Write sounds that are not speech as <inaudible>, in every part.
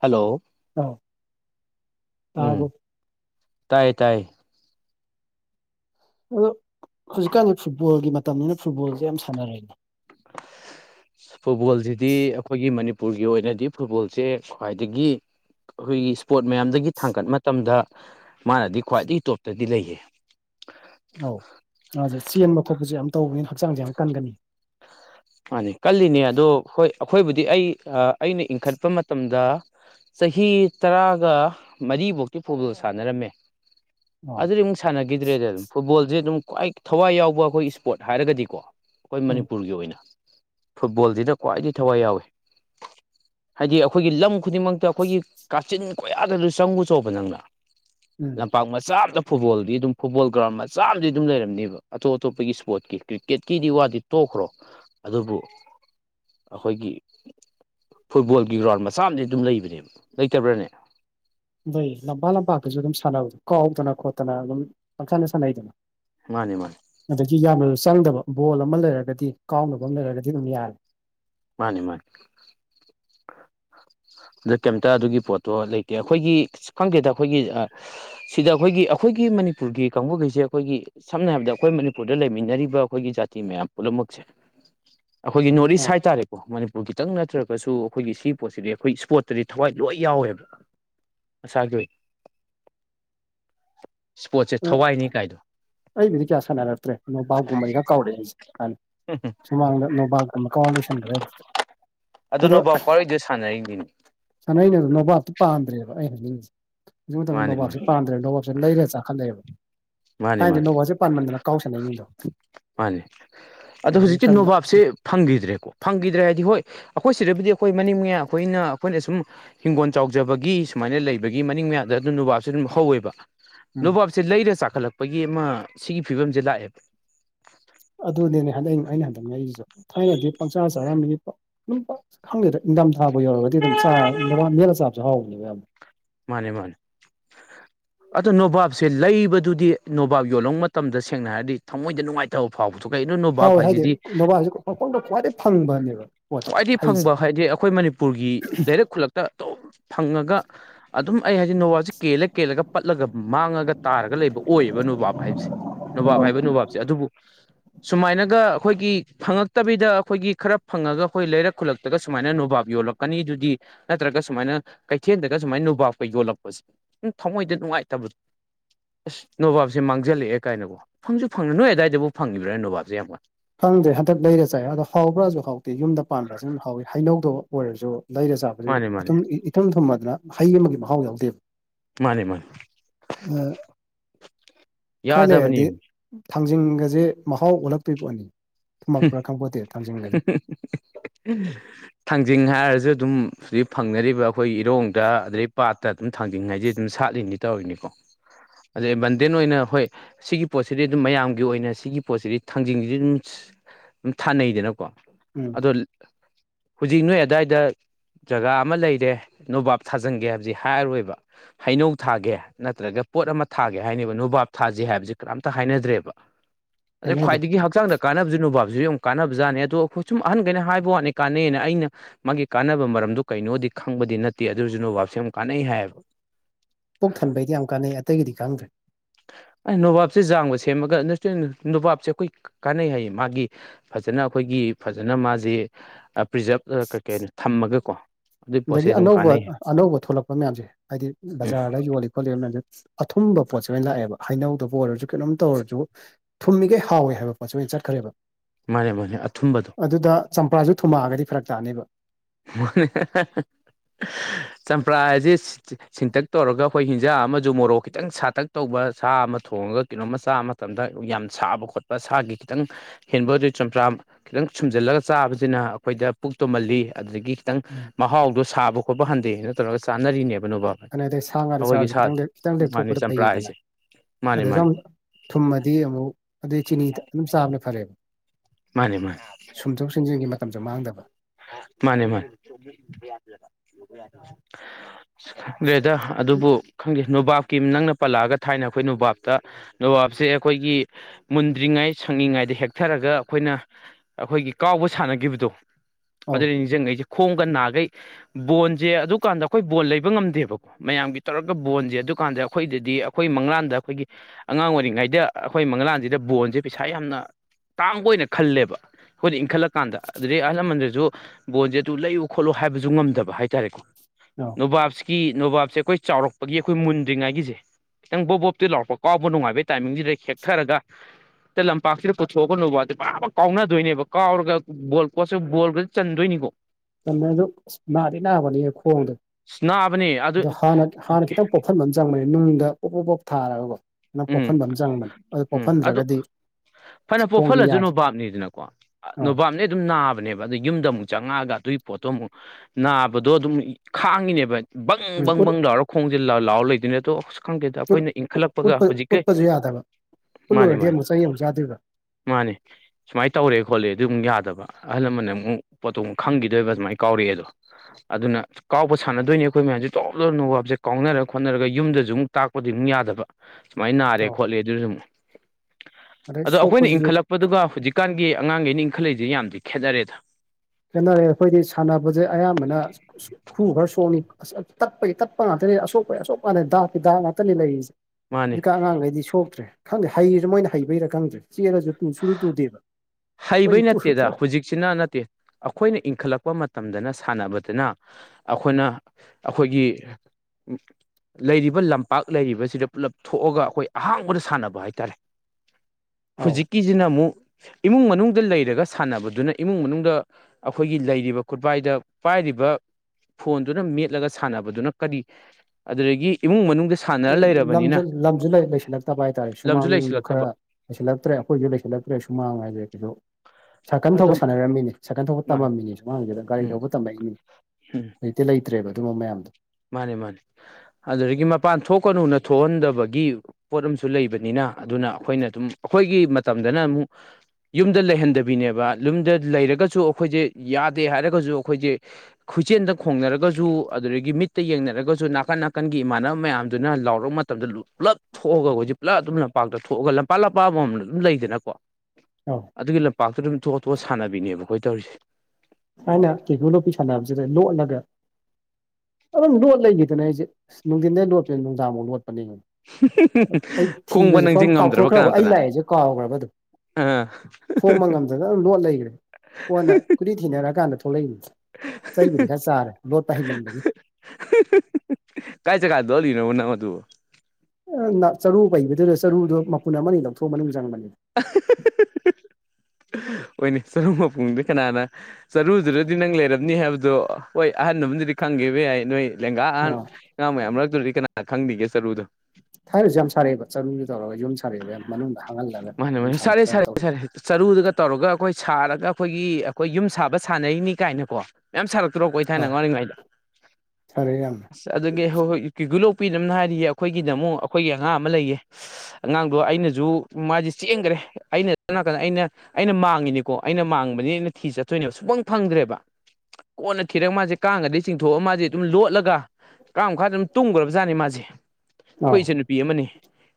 Hello ꯑꯧ ꯎꯝ ꯇꯥꯔꯕꯣ ꯇꯥꯏ ꯇꯥꯏ ꯑꯗꯣ ꯍꯧꯖꯤꯛꯀꯥꯟꯗꯤ ꯐꯨꯠꯕꯣꯜꯒꯤ ꯃꯇꯝꯅꯤꯅ ꯐꯨꯠꯕꯣꯜꯁꯦ ꯌꯥꯝ ꯁꯥꯟꯅꯔꯛꯏꯅꯦ ꯐꯨꯠꯕꯣꯜꯁꯤꯗꯤ ꯑꯩꯈꯣꯏꯒꯤ ꯃꯅꯤꯄꯨꯔꯒꯤ ꯑꯣꯏꯅꯗꯤ ꯐꯨꯠꯕꯣꯜꯁꯦ ꯈ꯭ꯋꯥꯏꯗꯒꯤ ꯑꯩꯈꯣꯏꯒꯤ ꯁ꯭ꯄꯣꯠ ꯃꯌꯥꯝꯗꯒꯤ ꯊꯥꯡꯒꯠ ꯃꯇꯝꯗ ꯃꯥꯅꯗꯤ ꯈ꯭ꯋꯥꯏꯗꯒꯤ ꯇꯣꯞꯇꯗꯤ ꯂꯩꯌꯦ ꯑꯧ ꯃꯥꯁꯦ ꯆꯦꯟꯕ ꯈꯣꯠꯄꯁꯨꯦ ꯌꯥꯝ ꯇꯧꯕꯅꯤꯅ ꯍꯛꯆꯥꯡꯁꯦ ꯌꯥꯝ ꯀꯟꯒꯅꯤ ꯃꯥꯅꯦ ꯀꯜꯂꯤꯅꯦ ꯑꯗꯣ ꯍꯣꯏ ꯑꯩꯈꯣꯏꯕꯨꯗꯤ ꯑꯩ ꯑꯩꯅ ꯏꯪꯈꯠꯄ ꯃꯇꯝꯗ ꯆꯍꯤ ꯇꯔꯥꯒ ꯃꯔꯤꯐꯧꯗꯤꯤ ꯐꯨꯠꯕꯣꯜ ꯁꯥꯟꯅꯔꯝꯃꯦ ꯑꯧ ꯑꯗꯨꯗꯤꯨ ꯁꯥꯟꯅꯈꯤꯗ꯭ꯔꯦꯗ ꯑꯗꯨꯝ ꯐꯨꯠꯕꯣꯜꯁꯦ ꯑꯗꯨꯝ ꯈ꯭ꯋꯥꯏ ꯊꯋꯥꯏ ꯌꯥꯎꯕ ꯑꯩꯈꯣꯏ ꯏꯁꯄꯣꯔꯠ ꯍꯥꯏꯔꯒꯗꯤꯀꯣ ꯑꯩꯈꯣꯏ ꯎꯝ ꯃꯅꯤꯄꯨꯔꯒꯤ ꯑꯣꯏꯅ ꯐꯨꯠꯕꯣꯜꯁꯤꯗ ꯈ꯭ꯋꯥꯏꯗꯒꯤ ꯊꯋꯥꯏ ꯌꯥꯎꯏꯤ ꯍꯥꯏꯗꯤ ꯑꯩꯈꯣꯏꯒꯤ ꯂꯝ ꯈꯨꯗꯤꯡꯃꯛꯇ ꯑꯩꯈꯣꯏꯒꯤ ꯀꯥꯆꯤꯟ ꯀꯣꯏꯌꯥꯗ ꯂꯣꯏ ꯆꯪꯉꯨ ꯆꯣꯕ ꯅꯪꯅ ꯎꯝ ꯂꯝꯄꯥꯛ ꯃꯆꯥ ꯑꯃꯇ ꯐꯨꯠꯕꯣꯜꯗꯤ ꯑꯗꯨꯝ ꯐꯨꯠꯕꯣꯜ ꯒ꯭ꯔꯥꯎꯟ ꯃꯆꯥ ꯑꯃꯗꯤꯝ ꯑꯗꯨꯝ ꯂꯩꯔꯝꯅꯦꯕ ꯑꯇꯣꯞ ꯑꯇꯣꯞꯄꯒꯤ ꯏꯁꯄꯣꯔꯠꯀꯤ ꯀ꯭ꯔꯤꯛꯀꯦꯠꯀꯤꯗꯤ ꯋꯥꯗꯤ ꯇꯣꯛꯈ꯭ꯔꯣ ꯑꯗꯨꯕꯨ ꯑꯩꯈꯣꯏꯒꯤ ꯐꯨꯠꯕꯣꯜꯒꯤ ꯒ꯭ꯔꯥꯎꯟ ꯃꯆꯥ ꯑꯃꯗꯤꯗꯤ ꯑꯗꯨꯝ ꯂꯩꯕꯅꯦꯕ ꯂꯩꯇꯕ꯭ꯔꯅꯦ ꯑꯩꯩ ꯂꯝꯄꯥꯛ ꯂꯝꯄꯥꯛꯇꯁꯨ ꯑꯗꯨꯝ ꯁꯥꯟꯅꯕꯗ ꯀꯥꯎꯗꯅ ꯈꯣꯠꯇꯅ ꯑꯗꯨꯝ ꯄꯪꯁꯥꯅ ꯁꯥꯟꯅꯩꯗꯅ ꯃꯥꯅꯦ ꯃꯥꯅꯦ ꯑꯗꯒꯤ ꯌꯥꯝꯅꯁꯨ ꯆꯪꯗꯕ ꯕꯣꯜ ꯑꯃ ꯂꯩꯔꯒꯗꯤ ꯀꯥꯎꯅꯕ ꯑꯃ ꯂꯩꯔꯒꯗꯤ ꯑꯗꯨꯝ ꯌꯥꯔꯦ ꯃꯥꯅꯤ ꯃꯥꯅꯤ <unintelligible> ꯑꯗ ꯀꯩꯝꯇ ꯑꯗꯨꯒꯤ ꯄꯣꯠꯇꯣ ꯂꯩꯇꯦ ꯑꯩꯈꯣꯏꯒꯤ ꯈꯪꯒꯦꯗ ꯑꯩꯈꯣꯏꯒꯤ ꯁꯤꯗ ꯑꯩꯈꯣꯏꯒꯤ ꯑꯩꯈꯣꯏꯒꯤ ꯃꯅꯤꯄꯨꯔꯒꯤ ꯀꯥꯡꯕꯨꯈꯩꯁꯦ ꯑꯩꯈꯣꯏꯒꯤ ꯁꯝꯅ ꯍꯥꯏꯔꯕꯗ ꯑꯩꯈꯣꯏ ꯃꯅꯤꯄꯨꯔꯗ ꯂꯩꯃꯤꯟꯅꯔꯤꯕ ꯑꯩꯈꯣꯏꯒꯤ ꯖꯥꯇꯤ ꯃꯌꯥꯝ ꯄꯨꯝꯅꯃꯛꯁꯦ <unintelligible> ꯑꯩꯈꯣꯏꯒꯤ ꯅꯣꯔꯠ ꯏꯁ ꯑꯧ ꯍꯥꯏꯇꯥꯔꯦ ꯑꯣ ꯃꯅꯤꯄꯨꯔ ꯈꯤꯇꯪ ꯅꯠꯇ꯭ꯔꯒꯁꯨ ꯑꯩꯈꯣꯏꯒꯤ ꯁꯤ ꯄꯣꯠꯁꯤꯗꯤ ꯑꯩꯈꯣꯏ ꯁ꯭ꯄꯣꯔꯠꯇꯗꯤ ꯊꯋꯥꯏ ꯂꯣꯏ ꯌꯥꯎꯋꯦꯕ ꯏꯁꯥꯒꯤ ꯑꯣ <inaudible> <unintelligible> ꯁ꯭ꯄꯣꯔꯠꯁꯦ ꯊꯋꯥꯏꯅꯤ ꯀꯥꯏꯗꯣ ꯑꯩ ꯕꯨꯗꯤ ꯀꯌꯥ ꯁꯥꯟꯅꯔꯛꯇ꯭ꯔꯦ ꯅꯣꯕꯥꯞ ꯒꯨꯝꯕꯗꯤ ꯀꯥꯎꯔꯛꯑꯦ ꯑꯩꯁꯦ ꯅꯤ ꯁꯨꯃꯥꯡꯗ ꯅꯣꯕꯥꯞꯀꯨꯝꯕ ꯀꯥꯏꯔ ꯂꯣꯏꯁꯟꯈ꯭ꯔꯦ ꯑꯗꯣ ꯍꯣꯏꯗ ꯁꯥꯟꯅꯔꯤꯗꯨꯅꯤ <inaudible> ꯁꯥꯟꯅ ꯑꯩꯅ ꯅꯣꯕꯥꯞꯇꯣ ꯄꯥꯝꯗ꯭ꯔꯦꯕ ꯑꯩꯅꯅꯤꯡꯁꯦ ꯃꯇꯝ ꯃꯥꯅꯦ ꯅꯣꯕꯥꯇ ꯃꯥꯅꯦ <inaudible> ꯄꯥꯟꯗ꯭ꯔꯦꯕ ꯅꯣꯕꯥꯣꯞꯁꯦ ꯂꯩꯔꯒ ꯆꯥꯛꯈꯠꯂꯛꯑꯦꯕ ꯃꯥꯅꯦ ꯊꯥꯏꯅꯗꯤ ꯅꯣꯕꯥꯞꯁꯦ ꯄꯥꯟꯃꯟꯗꯅ ꯀꯥꯎ ꯁꯥꯟꯅꯩꯅꯤꯗꯣ ꯃꯥꯅꯤ ꯑꯗꯣ ꯍꯧꯖꯤꯛꯇꯤ ꯅꯣꯕꯥꯞꯁꯦ ꯐꯪꯒꯤꯗ꯭ꯔꯦꯀꯣ ꯐꯪꯒꯤꯗ꯭ꯔꯦ ꯍꯥꯏꯗꯤ ꯍꯣꯏ ꯑꯩꯈꯣꯏ ꯁꯤꯗꯕꯨꯗꯤ ꯑꯩꯈꯣꯏ ꯃꯅꯤꯡ ꯃꯌꯥ ꯑꯩꯈꯣꯏꯅ ꯑꯩꯈꯣꯏꯅ ꯁꯨꯝ ꯍꯤꯡꯒꯣꯜ ꯆꯥꯎꯖꯕꯒꯤ ꯁꯨꯃꯥꯏꯅ ꯂꯩꯕꯒꯤ ꯃꯅꯤꯡ ꯃꯌꯥꯗ ꯑꯗꯨꯝ ꯅꯨꯕꯥꯞꯁꯦ ꯑꯗꯨꯝ ꯍꯧꯋꯦꯕ ꯎꯝ ꯅꯣꯕꯥꯞꯁꯦ ꯂꯩꯔ ꯆꯥꯈꯠꯂꯛꯄꯒꯤ ꯑꯃ ꯁꯤꯒꯤ ꯐꯤꯚꯝꯁꯦ ꯂꯥꯛꯑꯦꯕ ꯑꯗꯨꯅꯦꯅꯦ ꯍꯟꯗꯛ ꯑꯩꯅ ꯍꯟꯗꯛ ꯑꯩꯒꯤꯁꯨ ꯊꯥꯏꯅꯗꯤ ꯄꯪꯆꯥ ꯆꯥꯔꯝꯃꯤꯅꯤ ꯑꯗꯨꯝ ꯈꯪꯗꯦꯗ ꯏꯪꯊꯝꯊꯥꯕꯨ ꯌꯧꯔꯒꯗꯤ ꯑꯗꯨꯝ ꯆꯥꯔꯦ ꯅꯣꯕꯥꯞ ꯃꯦꯠꯂ ꯆꯥꯕꯁꯨ ꯍꯥꯎꯕꯅꯦꯕ ꯌꯥꯝ ꯃꯥꯅꯦ ꯃꯥꯅꯦ ꯑꯗꯣ ꯅꯣꯕꯥꯞꯁꯦ ꯂꯩꯕꯗꯨꯗꯤ ꯅꯣꯕꯥꯞ ꯌꯣꯜꯂꯝ ꯃꯇꯝꯗ ꯁꯦꯡꯅ ꯍꯥꯏꯔꯗꯤ ꯊꯃꯣꯏꯗ ꯅꯨꯡꯉꯥꯏꯇ ꯇꯧꯕ ꯐꯥꯎꯕꯗꯣ ꯀꯩꯅꯣ ꯅꯣꯕꯥꯞ ꯍꯥꯎꯋꯦ ꯍꯥꯏꯗꯤ ꯍꯥꯏꯁꯤꯗꯤ ꯅꯣꯕꯥꯁꯦ ꯄꯪꯗ ꯈ꯭ꯋꯥꯏꯗꯩ ꯐꯪꯕꯅꯦꯕ ꯄꯣꯠꯁꯦ ꯈ꯭ꯋꯥꯏꯗꯒꯤ ꯍꯩꯁꯦ ꯐꯪꯕ ꯍꯥꯏꯗꯤ ꯑꯩꯈꯣꯏ ꯃꯅꯤꯄꯨꯔꯒꯤ ꯂꯩꯔꯛ ꯈꯨꯜꯂꯛ ꯇ ꯑꯗꯨꯝ ꯐꯪꯉꯒ ꯑꯗꯨꯝ ꯑꯩ ꯍꯥꯏꯗꯤ ꯅꯣꯕꯥꯞꯁꯦ ꯀꯦꯜꯂ ꯀꯦꯜꯂꯒ ꯄꯠꯂꯒ ꯃꯥꯡꯉꯒ ꯇꯥꯔꯒ ꯂꯩꯕ ꯑꯣꯏꯌꯦꯕ ꯅꯣꯕꯥꯞ ꯍꯥꯏꯕꯁꯦ ꯅꯣꯕꯥꯞ ꯍꯥꯏꯕ ꯅꯣꯕꯥꯞꯁꯦ ꯑꯗꯨꯕꯨ ꯁꯨꯃꯥꯏꯅꯒ ꯑꯩꯈꯣꯏꯒꯤ ꯐꯪꯉꯛꯇꯕꯤꯗ ꯑꯩꯈꯣꯏꯒꯤ ꯈꯔ ꯐꯪꯉꯒ ꯑꯩꯈꯣꯏ ꯂꯩꯔꯛ ꯈꯨꯜꯂꯛꯇꯒ ꯁꯨꯃꯥꯏꯅ ꯅꯣꯕꯥꯞ ꯌꯣꯜꯂꯛꯄ ꯑꯅꯤꯗꯨꯗꯤ ꯅꯠꯇ꯭ꯔꯒ ꯁꯨꯃꯥꯏꯅ ꯀꯩꯊꯦꯜꯗꯒ ꯁꯨꯃꯥꯏꯅ ꯅꯣꯕꯥꯞꯀ ꯌꯣꯜꯂꯛꯄꯁꯦ ꯎꯝ ꯊꯃꯣꯏꯗ ꯅꯨꯡꯉꯥꯏꯇꯕꯗꯣ ꯑꯁ ꯅꯣꯕꯥꯞꯁꯦ ꯃꯥꯡꯖꯜꯂꯛꯑꯦ ꯀꯥꯏꯅꯀꯣ ꯐꯪꯁꯨ ꯐꯪꯉꯔꯣꯏ ꯅꯣꯢ ꯑꯗꯨꯋꯥꯏꯗꯐꯥꯎ ꯐꯪꯉꯤꯕ꯭ꯔꯥꯅꯦ ꯅꯣꯕꯥꯞꯁꯦ ꯌꯥꯝꯅ ꯀ ꯈꯪꯗꯦ ꯍꯟꯗꯛ ꯂꯩꯔ ꯆꯥꯏ ꯑꯗꯣ ꯍꯥꯎꯕ꯭ꯔꯁꯨ ꯍꯥꯎꯗꯦ ꯌꯨꯝꯗ ꯄꯥꯟꯕꯁꯨ ꯍꯥꯎꯋꯤ ꯍꯩꯅꯧꯗꯣ ꯑꯣꯏꯔꯁꯨ ꯂꯩꯔ ꯆꯥꯕ ꯃꯥꯅꯦ ꯃꯥꯅꯦ ꯏꯊꯨꯝ ꯊꯨꯝꯃꯗꯅ ꯍꯩ ꯑꯃꯒꯤ ꯃꯍꯥꯎ ꯌꯥꯎꯗꯦꯕ ꯃꯥꯅꯦ ꯃꯥꯅꯦ ꯑ ꯈꯔ ꯌꯥꯗꯕꯅꯤ ꯂꯩꯔꯗꯤ ꯊꯥꯡꯖꯤꯡꯒꯁꯦ ꯃꯍꯥꯎ ꯑꯣꯜꯂꯛꯇꯣꯏ ꯄꯣꯠꯅꯤ ꯊꯨꯝꯃꯛꯄ꯭ꯔꯥ ꯈꯪꯄꯣꯠꯇꯦ ꯊꯥꯡꯖꯤꯡꯒꯁꯦ <unintelligible> ꯊꯥꯡꯖꯤꯡ ꯍꯥꯏꯔꯁꯨ ꯑꯗꯨꯝ ꯍꯧꯖꯤꯛ ꯐꯪꯅꯔꯤꯕ ꯑꯩꯈꯣꯏ ꯏꯔꯣꯡꯗ ꯑꯗꯩ ꯄꯥꯠꯇ ꯑꯗꯨꯝ ꯊꯥꯡꯖꯤꯡ ꯍꯥꯏꯗꯤ ꯑꯗꯨꯝ ꯁꯥꯠꯂꯤꯅꯤ ꯇꯧꯔꯤꯅꯤꯀꯣ ꯑꯗꯩ ꯕꯟꯗꯦꯟ ꯑꯣꯏꯅ ꯍꯣꯏ ꯁꯤꯒꯤ ꯄꯣꯠꯁꯤꯗꯤ ꯑꯗꯨꯝ ꯃꯌꯥꯝꯒꯤ ꯑꯣꯏꯅ ꯁꯤꯒꯤ ꯄꯣꯠꯁꯤꯗꯤ ꯊꯥꯡꯖꯤꯡꯁꯤꯗꯤ ꯑꯗꯨꯝ ꯑꯗꯨꯝ ꯊꯥꯅꯩꯗꯅꯀꯣ ꯎꯝ ꯑꯗꯣ ꯍꯧꯖꯤꯛ ꯅꯣꯏ ꯑꯗꯨꯋꯥꯏꯗ ꯖꯒꯥ ꯑꯃ ꯂꯩꯔꯦ ꯅꯣꯕꯥꯞ ꯊꯥꯖꯤꯟꯒꯦ ꯍꯥꯏꯕꯁꯤ ꯍꯥꯏꯔꯔꯣꯏꯕ ꯍꯩꯅꯧ ꯊꯥꯒꯦ ꯅꯠꯇ꯭ꯔꯒ ꯄꯣꯠ ꯑꯃ ꯊꯥꯒꯦ ꯍꯥꯏꯅꯦꯕ ꯅꯣꯕꯥꯞ ꯊꯥꯖꯦ ꯍꯥꯏꯕꯁꯤ ꯀꯅꯥꯝꯇ ꯍꯥꯏꯅꯗ꯭ꯔꯦꯕ <unintelligible> ꯑꯗꯩ ꯈ꯭ꯋꯥꯏꯗꯒꯤ ꯍꯛꯆꯥꯡꯗ ꯀꯥꯟꯅꯕꯁꯦ ꯅꯣꯕꯥꯁꯤꯁꯨ ꯌꯥꯝ ꯀꯥꯟꯅꯕ ꯖꯥꯠꯅꯦ ꯑꯗꯣ ꯈꯣꯏ ꯁꯨꯝ ꯑꯍꯟꯈꯩꯅ ꯍꯥꯏꯕ ꯋꯥꯠꯅꯤ ꯀꯥꯟꯅꯩꯅ ꯑꯩꯅ ꯃꯥꯒꯤ ꯀꯥꯟꯅꯕ ꯃꯔꯝꯗ ꯀꯩꯅꯣꯗꯤ ꯈꯪꯕꯗꯤ ꯅꯠꯇꯦ ꯑꯗꯨꯁꯨ ꯅꯣꯕꯥꯞꯁꯦ ꯌꯥꯝ ꯀꯥꯟꯅꯩ ꯍꯥꯏꯌꯦꯕ ꯄꯨꯛ ꯊꯟꯕꯩꯗꯤ ꯌꯥꯝ ꯀꯥꯟꯅꯩ ꯑꯇꯩꯒꯤꯗꯤ ꯈꯪꯗ꯭ꯔꯦ ꯑ ꯅꯣꯕꯥꯞꯁꯦ ꯖꯥꯝꯒ ꯁꯦꯝꯃꯒ ꯅ ꯅꯣꯕꯥꯞꯁꯦ ꯑꯩꯈꯣꯏ ꯀꯥꯟꯅꯩ ꯍꯥꯏꯌꯦ ꯃꯥꯒꯤ ꯐꯖꯅ ꯑꯩꯈꯣꯏꯒꯤ ꯐꯖꯅ ꯃꯥꯁꯦ ꯄ꯭ꯔꯤꯖꯥꯕ ꯀꯩꯅꯣ ꯊꯝꯃꯒꯀꯣ ꯑꯗꯨꯏ ꯄꯣꯠꯁꯦ ꯑꯗꯒꯤ ꯑꯗꯨꯝ ꯑꯅꯧꯕ ꯀꯥꯟꯅꯩ ꯑꯅꯧꯕ ꯊꯣꯛꯂꯛꯄ ꯃꯌꯥꯝꯁꯦ ꯍꯥꯏꯗꯤ ꯎꯝ ꯕꯖꯥꯔꯗ ꯌꯣꯜꯂꯤꯕ ꯈꯣꯠꯂꯤꯕ ꯃꯌꯥꯝꯁꯦ ꯑꯊꯨꯝꯕ ꯄꯣꯠꯁꯦ ꯑꯣꯏꯅ ꯂꯥꯛꯑꯦꯕ ꯍꯥꯏꯩꯅꯧꯗꯕꯨ ꯑꯣꯏꯔꯁꯨ ꯀꯩꯅꯣꯝ ꯇꯧꯔꯁꯨ ꯊꯨꯝꯃꯤꯈꯩ ꯍꯥꯎꯋꯦ ꯍꯥꯏꯕ ꯄꯣꯠꯁꯨ ꯑꯣꯏꯅ ꯆꯠꯈ꯭ꯔꯦꯕ ꯃꯥꯅꯦ ꯃꯥꯅꯦ ꯑꯊꯨꯝꯕꯗꯣ ꯑꯗꯨꯗ ꯆꯝꯄ꯭ꯔꯥꯁꯨ ꯊꯨꯝꯃꯛꯑꯒꯗꯤ ꯐꯔꯛ ꯇꯥꯅꯦꯕ ꯃꯅꯦ <unintelligible> <inaudible> ꯆꯄ꯭ꯔꯁꯤ ꯁꯤꯟꯇꯛ ꯇꯧꯔꯒ ꯑꯩꯈꯣꯏ ꯍꯤꯟꯖꯥꯡ ꯑꯃꯁꯨ ꯃꯣꯔꯣꯛ ꯈꯤꯇꯪ ꯁꯥꯇꯛ ꯇꯧꯕ ꯁꯥ ꯑꯃ ꯊꯣꯡꯉꯒ ꯀꯩꯅꯣ ꯃꯆꯥ ꯑꯃ ꯃꯇꯝꯗ ꯌꯥꯝ ꯁꯥꯕ ꯈꯣꯠꯄ ꯁꯥꯒꯤ ꯈꯤꯇꯪ ꯍꯦꯟꯕꯣꯗ ꯆꯝꯄ꯭ꯔꯥ ꯈꯤꯇꯪ ꯁꯨꯝꯖꯤꯜꯂꯒ ꯆꯥꯕꯁꯤꯅ ꯑꯩꯈꯣꯏꯗ ꯄꯨꯛ ꯇꯨꯝꯍꯜꯂꯤ꯫ ꯑꯗꯨꯗꯒꯤ ꯈꯤꯇꯪ ꯎꯝ ꯃꯍꯥꯎꯗꯣ ꯁꯥꯕ ꯈꯣꯠꯄ ꯍꯟꯗꯦꯅ ꯇꯧꯔꯒ ꯆꯥꯅꯔꯤꯅꯦꯕꯅꯣꯕ ꯑꯗꯨ ꯑꯗꯩ ꯁꯥ ꯉꯥꯗ ꯆꯥꯔꯖꯁꯨ ꯈꯤꯇꯪ ꯈꯤꯇꯪ ꯃꯥꯅꯦ ꯂꯦꯛꯞꯊꯣꯛꯄꯗ ꯆꯝꯄ꯭ꯔꯥ ꯐꯩꯌꯦꯗꯅ ꯍꯥꯏꯁꯦ ꯃꯥꯅꯦ ꯑꯗꯨꯗ ꯃꯥꯅꯦ ꯊꯨꯝꯃꯗꯤ ꯑꯃꯨꯛ ꯑꯗꯩ ꯆꯤꯅꯤꯗ ꯑꯗꯨꯝ ꯆꯥꯕꯅ ꯐꯔꯦꯕ ꯃꯥꯅꯦ ꯃꯥꯅꯦ ꯁꯨꯝꯗꯣꯛ ꯁꯨꯝꯖꯤꯟꯒꯤ ꯃꯇꯝꯁꯨ ꯃꯥꯡꯗꯕ ꯃꯥꯅꯦ ꯃꯥꯅꯦ ꯈꯪꯗ꯭ꯔꯦꯗ ꯑꯗꯨꯕꯨ ꯈꯪꯗꯦ꯫ ꯅꯣꯕꯥꯞꯀꯤ ꯅꯪꯅ ꯄꯜꯂꯛꯑꯒ ꯊꯥꯏꯅ ꯑꯩꯈꯣꯏ ꯅꯣꯕꯥꯞꯇ ꯅꯣꯕꯥꯞꯁꯦ ꯑꯩꯈꯣꯏꯒꯤ ꯃꯨꯟꯗ꯭ꯔꯤꯉꯩ ꯁꯪꯂꯤꯉꯥꯏꯗ ꯍꯦꯛꯊꯔꯒ ꯑꯩꯈꯣꯏꯅ ꯑꯩꯈꯣꯏꯒꯤ ꯀꯥꯎꯕ ꯁꯥꯟꯅꯈꯤꯕꯗꯣ ꯑꯧ ꯑꯗꯨꯗ ꯅꯤꯡꯁꯤꯡꯉꯩꯁꯦ ꯈꯣꯡꯒ ꯅꯥꯈꯩ ꯕꯣꯟꯁꯦ ꯑꯗꯨꯀꯥꯟꯗ ꯑꯩꯈꯣꯏ ꯕꯣꯟ ꯂꯩꯕ ꯉꯝꯗꯦꯕꯀꯣ ꯃꯌꯥꯝꯒꯤ ꯇꯧꯔꯒ ꯕꯣꯟꯁꯦ ꯑꯗꯨꯀꯥꯟꯗ ꯑꯩꯈꯣꯏꯗꯗꯤ ꯑꯩꯈꯣꯏ ꯃꯪꯂꯥꯟꯗ ꯑꯩꯈꯣꯏꯒꯤ ꯑꯉꯥꯡ ꯑꯣꯏꯔꯤꯉꯩꯗ ꯑꯩꯈꯣꯏ ꯃꯪꯂꯂꯥꯟꯁꯤꯗ ꯕꯣꯟꯁꯦ ꯄꯩꯁꯥ ꯌꯥꯝꯅ ꯇꯥꯡꯕ ꯑꯣꯏꯅ ꯈꯜꯂꯦꯕ ꯑꯩꯈꯣꯏꯗꯤ ꯏꯟꯈꯠꯂꯀꯥꯟꯗ ꯑꯗꯨꯗꯩ ꯑꯍꯜ ꯂꯃꯟꯗꯁꯨ ꯕꯣꯟꯁꯦ ꯑꯗꯨ ꯂꯩꯌꯨ ꯈꯣꯠꯂꯨ ꯍꯥꯏꯕꯁꯨ ꯉꯝꯗꯕ ꯍꯥꯏꯇꯥꯔꯦꯀꯣ ꯑ <unintelligible> ꯅꯣꯕꯥꯞꯁꯀꯤ ꯅꯣꯕꯥꯞꯁꯦ ꯑꯩꯈꯣꯏ ꯆꯥꯎꯔꯛꯄꯒꯤ ꯑꯩꯈꯣꯏ ꯃꯨꯟꯗ꯭ꯔꯤꯉꯥꯏꯒꯤꯁꯦ ꯈꯤꯇꯪ ꯕꯣ ꯕꯣꯞꯇ ꯂꯔꯛꯄ ꯀꯥꯎꯕ ꯅꯨꯡꯉꯥꯏꯕꯩ ꯇꯥꯏꯃꯤꯡꯗꯨꯗ ꯍꯦꯛꯊꯔꯒ ꯍꯦꯛꯇꯥ ꯂꯝꯄꯥ ꯐꯔ ꯄꯨꯊꯣꯒꯅꯅꯨꯡ ꯋꯥꯗ ꯕꯥꯀ ꯕꯥꯛ ꯀꯥꯎꯅꯗꯣꯏꯅꯦꯕ ꯀꯥꯎꯔꯒ ꯕꯣꯜ ꯄꯣꯠ ꯕꯣꯜꯒ ꯆꯟꯗꯣꯏꯅꯤꯀꯣ ꯆꯃꯦ ꯑꯗꯨ ꯑꯁ ꯅꯥꯗꯤ ꯅꯥꯕꯅꯦ ꯈꯣꯡꯗꯣ ꯑꯁ ꯅꯥꯕꯅꯦ ꯑꯗꯨ ꯑꯗꯣ ꯍꯥꯟꯅ ꯍꯥꯟꯅ ꯈꯤꯇꯪ ꯄꯣꯛꯍꯟꯕ ꯑꯃ ꯆꯪꯕꯅꯤ ꯅꯨꯡꯗ ꯄꯞ ꯄꯞ ꯄꯞ ꯊꯥꯔꯒꯀꯣ ꯎꯝ ꯄꯣꯛꯍꯟꯕ ꯑꯃ ꯆꯪꯕꯅꯤ ꯑꯗꯨꯣ ꯎꯝ ꯑꯗꯨ ꯄꯣꯛꯍꯟꯗ꯭ꯔꯒꯗꯤ ꯐꯅ ꯄꯣꯐꯜꯂꯁꯨ ꯅꯣꯕꯥꯞꯅꯤꯗꯅꯀꯣ ꯑꯥ ꯅꯣꯕꯥꯞꯅ ꯑꯗꯨꯝ ꯅꯥꯕꯅꯦꯕ ꯑꯗꯩ ꯌꯨꯝꯗ ꯑꯃꯨꯛ ꯆꯪꯉꯛꯑꯒ ꯑꯗꯨꯒꯤ ꯄꯣꯠꯇꯣ ꯑꯃꯨꯛ ꯅꯥꯕꯗꯣ ꯑꯗꯨꯝ ꯈꯥꯡꯉꯤꯅꯦꯕ ꯕꯪ ꯎꯝ ꯎꯠ ꯕꯪꯕꯪ ꯂꯥꯎꯔ ꯈꯣꯡꯖꯦ ꯂꯥꯎꯔ ꯂꯩꯗꯣꯏꯅꯦ ꯑꯗꯣ ꯑꯁ ꯈꯪꯗꯦꯗ ꯎꯠ ꯑꯩꯈꯣꯏꯅ ꯏꯟꯈꯠꯂꯛꯄ ꯎꯠꯄꯁꯨ ꯌꯥꯗꯕ ꯃꯥꯅꯦ ꯎꯠꯂꯨꯔꯗꯤ ꯃꯥꯅꯦ ꯑꯃꯨꯛ ꯆꯪ ꯑꯃꯨꯛ ꯆꯥꯗꯣꯏꯕ ꯃꯥꯅꯦ ꯁꯨꯃꯥꯏ ꯇꯧꯔꯦ ꯈꯣꯠꯂꯦ ꯑꯗꯨꯃꯨꯛ ꯌꯥꯗꯕ ꯑꯍꯜ ꯂꯃꯟꯅ ꯑꯃꯨꯛ ꯄꯣꯠꯇꯣ ꯑꯃꯨꯛ ꯈꯪꯈꯤꯗꯣꯏꯕ ꯁꯨꯃꯥꯏ ꯀꯥꯎꯔꯛꯑꯦꯗꯣ ꯑꯗꯨꯅ ꯀꯥꯎꯕ ꯁꯥꯟꯅꯗꯣꯏꯅꯦ ꯑꯩꯈꯣꯏ ꯃꯌꯥꯝꯁꯦ ꯇꯣꯞ ꯇꯣꯞꯅ ꯋꯥꯞꯁꯦ ꯀꯥꯎꯅꯔ ꯈꯣꯠꯅꯔꯒ ꯌꯨꯝꯗꯁꯨ ꯑꯃꯨꯛ ꯇꯥꯛꯄꯗꯤ ꯑꯃꯨꯛ ꯌꯥꯗꯕ ꯁꯨꯃꯥꯏꯅ ꯅꯥꯔꯦ ꯑꯧ ꯈꯣꯠꯂꯦ ꯑꯗꯨꯁꯨ ꯑꯃꯨꯛ ꯑꯗꯩ ꯑꯗꯣ ꯑꯩꯈꯣꯏꯅ ꯁꯣꯛꯄꯁꯤꯁꯨ ꯏꯟꯈꯠꯂꯛꯄ ꯄ ꯑꯗꯨꯒꯒ ꯍꯧꯖꯤꯛꯀꯥꯟꯒꯤ ꯑꯉꯥꯡꯈꯩꯅ ꯏꯪꯈꯠꯂꯛꯏꯁꯦ ꯌꯥꯝꯗꯤ ꯈꯦꯠꯅꯔꯦꯗ ꯈꯦꯠꯅꯔꯦ ꯑꯩꯈꯣꯏꯗꯤ ꯁꯥꯟꯅꯕꯁꯦ ꯑꯌꯥꯝꯕꯅ ꯈꯨꯔꯨ ꯈꯔ ꯁꯣꯛꯅꯤ ꯑꯁ ꯇꯠꯄꯒꯤ ꯇꯠꯄ ꯉꯥꯛꯇꯅꯦ ꯑꯁꯣꯛꯄꯩ ꯑꯁꯣꯛꯄ ꯉꯥꯛꯇꯅꯤ ꯗꯥꯛꯇꯤ ꯗꯥꯛ ꯉꯥꯛꯇꯅꯦ ꯂꯩꯔꯤꯁꯦ ꯃꯥꯅꯦ ꯍꯧꯖꯤꯀꯥ ꯑꯉꯥꯡꯈꯩꯗꯤ ꯁꯣꯛꯇ꯭ꯔꯦ ꯈꯪꯗꯦ ꯍꯩꯔ ꯃꯣꯏꯅ ꯍꯩꯕꯩꯔ ꯈꯪꯗ꯭ꯔꯦ ꯆꯦꯜꯔꯁꯨ ꯇꯨꯁꯨꯨ ꯇꯨꯗꯦꯕ ꯍꯩꯕꯩ ꯑꯩꯈꯣꯏꯗꯤ ꯇꯨ ꯅꯠꯇꯦꯗ ꯍꯧꯖꯤꯛꯁꯤꯅ ꯅꯠꯇꯦ ꯑꯩꯈꯣꯏꯅ ꯏꯪꯈꯠꯂꯛꯄ ꯃꯇꯝꯗꯅ ꯁꯥꯟꯅꯕꯗꯅ ꯑꯩꯈꯣꯏꯅ ꯑꯩꯈꯣꯏꯒꯤ ꯂꯩꯔꯤꯕ ꯂꯝꯄꯥꯛ ꯂꯩꯔꯤꯕꯁꯤꯗ ꯄꯨꯜꯂꯞ ꯊꯣꯛꯑꯒ ꯑꯩꯈꯣꯏ ꯑꯍꯥꯡꯕꯗ ꯁꯥꯟꯅꯕ ꯍꯥꯏꯇꯥꯔꯦ ꯑꯧ ꯍꯧꯖꯤꯛꯀꯤꯁꯤꯅ ꯑꯃꯨꯛ ꯏꯃꯨꯡ ꯃꯅꯨꯡꯗ ꯂꯩꯔꯒ ꯁꯥꯟꯅꯕꯗꯨꯅ ꯏꯃꯨꯡ ꯃꯅꯨꯡꯗ ꯑꯩꯈꯣꯏꯒꯤ ꯂꯩꯔꯤꯕ ꯈꯨꯠꯕꯥꯥꯏꯗ ꯄꯥꯏꯔꯤꯕ ꯐꯣꯟꯗꯨꯅ ꯃꯦꯠꯂꯒ ꯁꯥꯟꯅꯕꯗꯨꯅ ꯀꯔꯤ ꯑꯗꯨꯗꯒꯤ ꯏꯃꯨꯡ ꯃꯅꯨꯡꯗ ꯁꯥꯟꯅꯔ ꯂꯝ ꯂꯩꯔꯕꯅꯤꯅ ꯂꯝꯁꯨ ꯂꯩꯁꯤꯜꯂꯛꯇꯕ ꯍꯥꯏꯇꯥꯔꯦ ꯂꯝꯁꯨ ꯁꯨꯃꯥꯡꯗ ꯈꯔ ꯂꯩꯁꯤꯜꯂꯛꯇꯕ ꯂꯩꯜꯂꯛꯇ꯭ꯔꯦ ꯑꯩꯈꯣꯏꯁꯨ ꯂꯩꯁꯤꯜꯂꯛꯇ꯭ꯔꯦ ꯁꯨꯃꯥꯡ ꯍꯥꯏꯁꯦ ꯀꯩꯁꯨ ꯁꯥꯏꯀꯜ ꯊꯧꯕ ꯑꯗꯨꯝ ꯁꯥꯟꯅꯔꯝꯃꯤꯅꯤ ꯁꯥꯏꯀꯜ ꯊꯧꯕ ꯇꯝꯃꯤꯅꯤ ꯁꯨꯃꯥꯡꯁꯤꯗ ꯒꯥꯔꯤ ꯊꯧꯕ ꯇꯝꯃꯛꯏꯅꯤ ꯍꯝ ꯍꯛꯇꯤ ꯂꯩꯇ꯭ꯔꯦꯕ ꯑꯗꯨꯝꯕ ꯃꯌꯥꯝꯗꯣ ꯃꯥꯅꯤ ꯃꯥꯅꯤ ꯑꯗꯨꯗꯒꯤ ꯃꯄꯥꯟ ꯊꯣꯛꯀꯅꯨꯅ ꯊꯣꯛꯍꯟꯗꯕꯒꯤ ꯄꯣꯠ ꯑꯃꯁꯨ ꯂꯩꯕꯅꯤꯅ ꯑꯗꯨꯅ ꯑꯩꯈꯣꯏꯅ ꯑꯗꯨꯝ ꯑꯩꯈꯣꯏꯒꯤ ꯃꯇꯝꯗꯅ ꯑꯃꯨꯛ ꯌꯨꯝꯗ ꯂꯩꯍꯟꯗꯕꯤꯅꯦꯕ ꯌꯨꯝꯗ ꯂꯩꯔꯒꯁꯨ ꯑꯩꯈꯣꯏꯁꯦ ꯌꯥꯗꯦ ꯍꯥꯏꯔꯒꯁꯨ ꯑꯩꯈꯣꯏꯁꯦ ꯈꯨꯆꯦꯟꯗ ꯈꯣꯡꯅꯔꯒꯁꯨ ꯑꯗꯨꯗꯒꯤ ꯃꯤꯠ ꯇ ꯌꯦꯡꯅꯔꯒꯁꯨ ꯅꯥꯀꯟ ꯅꯥꯀꯟꯒꯤ ꯏꯃꯥꯟꯅꯕ ꯃꯌꯥꯝꯗꯨꯅ ꯂꯥꯎꯔꯛꯄ ꯃꯇꯝꯗ ꯄꯨꯂꯞ ꯊꯣꯛꯑꯒꯈꯣꯏꯛ ꯄꯨꯂꯞ ꯑꯗꯨꯝ ꯂꯝꯄꯥꯛꯇ ꯊꯣꯛꯑꯒ ꯂꯝꯄꯥꯛ ꯂꯝꯄꯥꯛ ꯑꯃꯝꯅ ꯑꯗꯨꯝ ꯂꯩꯗꯅꯀꯣ ꯑ ꯑꯗꯨꯒꯤ ꯂꯝꯄꯥꯛꯇꯨ ꯑꯗꯨꯝ ꯊꯣꯛꯣꯞ ꯑꯇꯣꯞꯄ ꯁꯥꯟꯅꯕꯤꯅꯦꯕ ꯑꯩꯈꯣꯏ ꯇꯧꯔꯤꯁꯦ ꯍꯥꯏꯅ ꯀꯦꯀꯣ ꯂꯣꯄꯤ ꯁꯥꯟꯅꯕꯁꯤꯗ ꯂꯣꯠꯂꯒ ꯑꯗꯨꯝ ꯂꯣꯠ ꯂꯩꯈꯤꯗꯅꯅꯦ ꯑꯩꯁꯦ ꯅꯨꯡꯊꯤꯟꯗꯩ ꯂꯣꯠꯄꯅꯤ ꯅꯨꯡꯗꯥꯡꯃꯨꯛ ꯂꯣꯠꯄꯅꯦ ꯑꯩ ꯈꯣꯡꯕ ꯊꯤꯕꯁꯨ ꯅꯪꯁꯦ ꯐꯝ ꯉꯝꯗ꯭ꯔꯕ ꯀꯥꯎꯊꯣꯛꯈ꯭ꯔꯕ ꯑꯩ ꯀꯅꯥꯝꯇꯅ ꯂꯥꯛꯁꯦ ꯀꯥꯎꯈ꯭ꯔꯕ ꯑꯗꯨꯝ ꯑꯥ ꯐꯣꯡꯕ ꯉꯝꯗꯅ ꯑꯗꯨ ꯂꯣꯠ ꯂꯩꯈ꯭ꯔꯦ ꯀꯣꯟꯅꯗꯤ ꯁꯤꯖꯤꯟꯅꯔꯛꯑꯀꯥꯟꯗ ꯊꯣꯛꯂꯛꯏꯕ ꯆꯩꯕꯨꯗꯤ ꯈꯔ ꯆꯥꯔꯦ ꯂꯣꯠꯄ ꯍꯩꯃꯟꯕꯒꯤ ꯀꯥꯏ ꯆ ꯀꯥꯏꯗ ꯂ ꯍꯅꯕꯨꯅꯥꯃ ꯇꯕꯨ ꯆꯔꯨ ꯄꯩꯕꯗꯨꯗ ꯆꯔꯨꯗꯣ ꯃꯄꯨꯟ ꯑꯃꯅꯤ ꯂꯧꯊꯣꯛ ꯃꯅꯨꯡ ꯆꯪꯕꯅꯤ ꯑ ꯑꯣꯏꯅ ꯁꯔꯨꯝ ꯃꯄꯨꯡꯗꯤ ꯀꯅꯥꯅ ꯆꯔꯨꯗꯨꯔꯗꯤ ꯅꯪ ꯂꯩꯔꯝꯅꯤ ꯍꯥꯏꯕꯗꯣ ꯍꯣꯏ ꯑꯍꯟ ꯑꯃꯗꯗꯤ ꯈꯪꯒꯦꯕ ꯌꯥꯏ ꯅꯣꯏ ꯂꯦꯡꯒꯥ ꯑꯍꯥꯟ ꯑꯥ ꯑꯥꯡ ꯃꯌꯥꯝ ꯃꯔꯛꯇ꯭ꯔꯗꯤ ꯀꯅꯥ ꯈꯪꯗꯤꯒꯦ ꯆꯔꯨꯗꯣ ꯊꯥꯏꯔꯁꯨ ꯌꯥꯝ ꯁꯥꯔꯛꯦꯕ ꯆꯔꯨꯝꯁꯤ ꯇꯧꯒ ꯌꯨꯝ ꯁꯥꯔꯛꯑꯦꯕ ꯌꯥꯝ ꯃꯅꯨꯡꯗ ꯍꯥꯡꯍꯜꯂꯒ ꯌꯨꯝ ꯁꯥꯡꯕꯄ ꯌꯥꯝ ꯇꯧꯔꯦ ꯆꯔꯨꯗꯨꯒ ꯇꯧꯔꯒ ꯑꯩꯈꯣꯏ ꯁꯥꯔꯒ ꯑꯩꯈꯣꯏꯒꯤ ꯑꯩꯈꯣꯏ ꯌꯨꯝ ꯁꯥꯕ ꯁꯥꯥꯟꯅꯔꯤꯅꯤ ꯀꯥꯏꯅꯀꯣ ꯃꯌꯥꯝ ꯁꯥꯔꯛꯇꯣꯔꯣꯀꯣ ꯊꯥꯏꯅ ꯑꯧ ꯉꯥꯡꯔꯤꯉꯩꯗ ꯁꯥꯔꯛꯑꯦ ꯌꯥꯝꯅ ꯑꯁ ꯑꯗꯨꯒꯤ ꯍ ꯍꯣꯏ ꯀꯤꯀꯨ ꯂꯣꯛꯄꯤꯗꯅ ꯍꯥꯏꯔꯔꯤꯗꯤ ꯑꯩꯈꯣꯏꯒꯤꯗ ꯑꯃꯨꯛ ꯑꯩꯈꯣꯏꯒꯤ ꯑꯉꯥꯡ ꯑꯃ ꯂꯩꯌꯦ ꯑꯉꯥꯡꯗꯣ ꯑꯩꯅꯁꯨ ꯃꯥꯁꯦ ꯆꯦꯟꯈꯔꯦ ꯑꯩꯅ ꯀ ꯑꯩꯅ ꯑꯩꯅ ꯃꯥꯡꯉꯤꯅꯤꯀꯣ ꯑꯩꯅ ꯃꯥꯡꯕꯅꯤ ꯑꯩꯅ ꯊꯤ ꯆꯠꯇꯣꯏꯅꯦꯕ ꯁꯨꯛꯐꯪ ꯐꯪꯗ꯭ꯔꯦꯕ ꯀꯣꯟꯅ ꯊꯤꯔꯒ ꯃꯥꯁꯦ ꯀꯥꯡꯉꯗꯒꯤ ꯆꯤꯡꯊꯣꯛꯑꯒ ꯃꯥꯁꯦ ꯑꯗꯨꯝ ꯂꯣꯠꯂꯒ ꯀꯔꯝ ꯃꯈꯥ ꯑꯗꯨꯝ ꯇꯨꯡꯈ꯭ꯔꯕꯖꯥꯠꯅꯤ ꯃꯥꯁꯦ ꯑꯧ ꯑꯩꯈꯣꯏꯁꯦ ꯅꯨꯄꯤ ꯑꯃꯅꯤ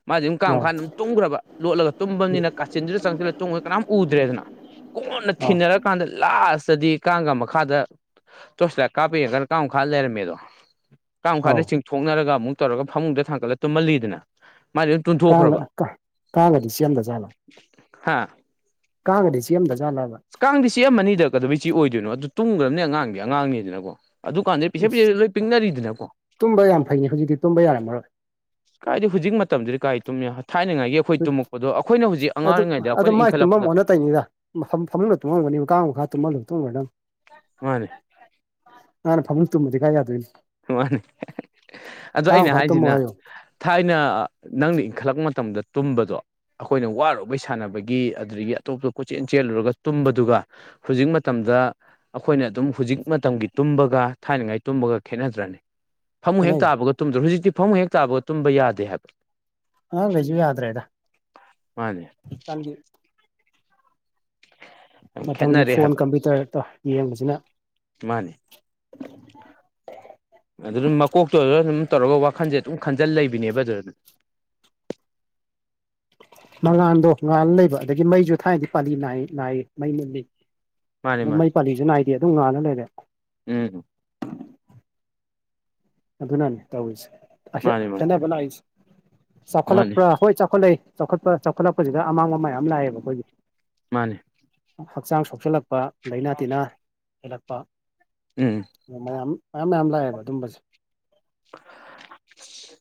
ꯃꯥꯁꯦ ꯑꯗꯨꯝ ꯀꯥ ꯃꯈ ꯑꯧ ꯃꯈꯥꯟꯗ ꯑꯗꯨꯝ ꯇꯨꯝꯈ꯭ꯔꯕ ꯂꯣꯠꯂꯒ ꯇꯨꯝꯕꯅꯤꯅ ꯀꯥꯆꯤꯟꯗꯨꯗ ꯆꯪꯁꯤꯜꯂ ꯇꯨꯡꯉ ꯀꯅꯥꯝ ꯎꯗ꯭ꯔꯦꯗꯅ ꯀꯣꯟꯅ ꯑꯧ ꯊꯤꯟꯅꯔꯀꯥꯟꯗ ꯂꯥꯁꯇꯗꯤ ꯀꯒ ꯃꯈꯥꯗ ꯇꯁ ꯂ ꯀꯥꯄꯤꯒꯔꯀꯥꯨ ꯈꯥ ꯂꯩꯦꯔꯦ ꯃꯦꯣ ꯀ ꯑꯧ ꯃꯈꯥꯏꯗ ꯆꯤꯡꯊꯣꯛꯅꯔꯒ ꯑꯃꯨꯛ ꯇꯧꯔꯒ ꯐꯃꯨꯡꯗ ꯊꯥꯡꯀꯠꯂ ꯇꯨꯝꯍꯜꯂꯤꯗꯅ ꯃꯥꯥꯏ ꯀꯥꯡꯅ ꯀꯥꯡꯒꯗꯤ ꯆꯂꯝꯗꯖꯥꯠꯂꯣ ꯍꯥꯥ ꯀꯥꯒꯗꯤ ꯁꯤ ꯑꯃꯗ ꯆꯥꯂꯕ ꯀꯥꯡꯗꯤ ꯆꯦ ꯑꯃꯅꯤ ꯑꯅꯤꯗꯛꯀꯗꯕꯩ ꯆꯦ ꯑꯣꯏꯗꯣꯏꯅꯣ ꯑꯗꯨ ꯇꯨꯝꯈ꯭ꯔꯕꯅꯤ ꯑꯉꯥꯡꯗꯤ ꯑꯉꯥꯡꯅꯤꯗꯅꯀꯣ ꯑꯗꯨ ꯀꯥꯟꯗꯤꯩꯤꯁꯦ ꯏꯁ ꯄꯩꯤꯁꯩꯦ ꯂꯣꯏ ꯄꯛꯅꯔꯤꯗꯅꯀꯣ ꯇꯨꯝꯕ ꯌꯥꯝ ꯐꯩꯅꯤ ꯍꯧꯖꯤꯛꯇꯤ ꯇꯨꯝꯕ ꯌꯥꯔꯝꯃꯔꯣꯏ ꯀꯥꯏꯗꯤ ꯍꯧꯖꯤꯛ ꯃꯇꯝꯗꯨꯗꯤ ꯀꯥꯏ ꯇꯨꯝꯃꯦ ꯊꯥꯏꯅꯉꯥꯏꯒꯤ ꯑꯩꯈꯣꯏ ꯇꯨꯝꯃꯛꯄꯗꯣ ꯑꯩꯈꯣꯏꯅ ꯍꯧꯖꯤꯛ ꯑꯉꯥꯡꯔꯤꯩꯗ ꯑꯩꯈꯣꯏꯅ ꯏꯟꯈꯠꯂꯛꯄꯗ ꯇꯅꯤꯗ ꯃꯐꯝ ꯐꯃꯨꯡꯗ ꯇꯨꯝꯉꯝꯒꯅꯤ ꯀꯥꯡ ꯃꯈꯥ ꯇꯨꯝꯍꯜꯂ ꯇꯣꯡꯉꯒꯅꯤ ꯅꯪ ꯃꯥꯅꯦ ꯑꯅꯦ ꯐꯪ ꯇꯨꯃꯗꯤ ꯀꯥꯏ ꯌꯥꯗ ꯑꯣꯏꯅꯤ ꯃꯥꯅꯤ ꯑꯗ ꯑꯩꯅ ꯇꯨꯝꯃꯣ ꯍꯥꯏꯁꯤꯅ ꯍꯥꯏꯌꯣ ꯊꯥꯏꯅ ꯅꯪꯅ ꯏꯟꯈꯠꯂꯛ ꯃꯇꯝꯗ ꯇꯨꯝꯕꯗꯣ ꯑꯩꯈꯣꯏꯅ ꯋꯥꯔꯨꯕꯩ ꯁꯥꯟꯅꯕꯒꯤ ꯑꯗꯨꯗꯒꯤ ꯑꯇꯣꯞꯄ ꯀꯣꯆꯦꯟ ꯆꯦꯜꯂꯨꯔꯒ ꯇꯨꯝꯕꯗꯨꯒ ꯍꯧꯖꯤꯛ ꯃꯇꯝꯗ ꯑꯩꯈꯣꯏꯅ ꯑꯗꯨꯝ ꯍꯧꯖꯤꯛ ꯃꯇꯝꯒꯤ ꯇꯨꯝꯕꯒ ꯊꯥꯏꯅꯉꯥꯏ ꯇꯨꯝꯕꯒ ꯈꯦꯠꯅꯗ꯭ꯔꯅꯤ ꯐꯃꯨꯡ ꯍꯦꯛ ꯈꯦꯠꯅꯩ ꯇꯥꯕꯒ ꯇꯨꯝꯗ꯭ꯔ ꯍꯧꯖꯤꯛꯇꯤ ꯐꯃꯨꯡ ꯍꯦꯛ ꯇꯥꯕꯒ ꯇꯨꯝꯕ ꯌꯥꯗꯦ ꯍꯥꯏꯕ ꯑ ꯦꯖꯕꯤ ꯌꯥ꯭ꯔꯦ ꯍꯥꯏꯗ ꯃꯥꯅꯦ ꯌꯥꯝ ꯃꯇꯝꯒꯤ ꯈꯦꯠꯅꯔꯦ ꯐꯣꯟ ꯍꯥꯏꯕ ꯀꯝꯄ꯭ꯌꯨꯇꯔꯗꯣ ꯌꯦꯡꯕꯁꯤꯅ ꯃꯥꯅꯦ ꯑꯗꯨ ꯑꯗꯨꯝ ꯃꯀꯣꯛꯇꯣ ꯑꯗꯨ ꯑꯗꯨꯝ ꯇꯧꯔꯒ ꯋꯥꯈꯟꯁꯦ ꯑꯗꯨꯝ ꯈꯟꯖꯜ ꯂꯩꯕꯅꯦꯕ ꯑꯗꯨ ꯃꯉꯥꯟꯗꯣ ꯉꯥꯜ ꯂꯩꯕ ꯑꯗꯒꯤ ꯃꯩꯁꯨ ꯊꯥꯏꯅꯗꯤ ꯄꯥꯜꯂꯤ ꯅꯥꯏ ꯅꯥꯏꯌꯦ ꯃꯩ ꯃꯜꯂꯤ ꯃꯥꯅꯦ ꯃꯥꯅꯦ ꯃꯩ ꯄꯥꯂꯤꯁꯨ ꯅꯥꯏꯗꯦ ꯑꯗꯨꯝ ꯉꯅꯥꯅ ꯂꯩꯔꯦ ꯎꯝ ꯑꯗꯨꯅꯅꯤ ꯇꯧꯔꯤꯁꯦ ꯃꯥꯅꯦ ꯃꯥꯅꯦ ꯈꯦꯠꯅꯕ ꯂꯥꯛꯏꯁꯦ ꯃꯥꯅꯦ ꯆꯥꯎꯈꯠꯂꯛꯄ꯭ꯔꯥ ꯍꯣꯏ ꯆꯥꯎꯈꯠꯂꯛꯏ ꯆꯥꯎꯈꯠꯄ ꯆꯥꯎꯈꯠꯂꯛꯄꯁꯤꯗ ꯑꯃꯥꯡꯕ ꯃꯌꯥꯝ ꯂꯥꯛꯑꯦꯕ ꯑꯩꯈꯣꯏꯒꯤ ꯃꯥꯅꯦ ꯍꯛꯆꯥꯡ ꯁꯣꯛꯆꯤꯜꯂꯛꯄ ꯂꯩꯥꯏꯅꯥ ꯇꯤꯟꯅꯥ ꯍꯦꯜꯂꯛꯄ ꯎꯝ ꯑꯣ ꯃꯌꯥꯝ ꯃꯌꯥꯝ ꯃꯌꯥꯝ ꯂꯥꯛꯑꯦꯕ ꯑꯗꯨꯝꯕꯁꯦ <inaudible>